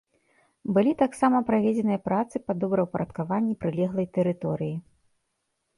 Былі таксама праведзеныя працы па добраўпарадкаванні прылеглай тэрыторыі.